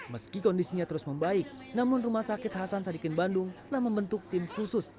meski kondisinya terus membaik namun rumah sakit hasan sadikin bandung telah membentuk tim khusus